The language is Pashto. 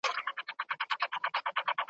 پرون د جنوري پر یوولسمه `